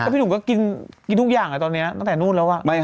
พี่หนุ่มก็กินทุกอย่างตอนนี้ตั้งแต่นู่นแล้ว